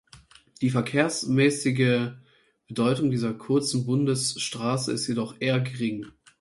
Die verkehrsmäßige Bedeutung dieser kurzen Bundesstraße ist jedoch eher gering.